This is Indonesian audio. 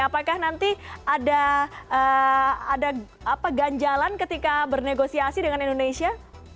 apakah nanti ada ganjalan ketika bernegosiasi dengan indonesia